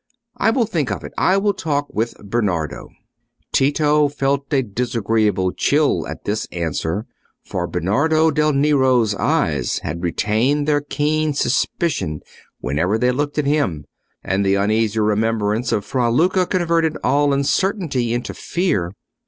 I will think of it; I will talk with Bernardo." Tito felt a disagreeable chill at this answer, for Bernardo del Nero's eyes had retained their keen suspicion whenever they looked at him, and the uneasy remembrance of Fra Luca converted all uncertainty into fear.